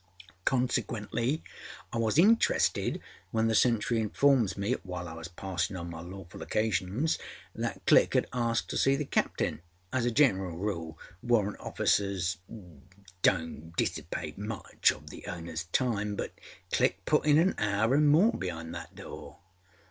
Consequently, I was interested when the sentry informs me while I was passinâ on my lawful occasions that Click had asked to see the captain. As a general rule warrant officers donât dissipate much of the ownerâs time, but Click put in an hour and more beâind that door.